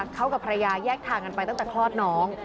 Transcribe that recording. เขากับภรรยาแยกทางกันไปตั้งแต่คลอดน้อง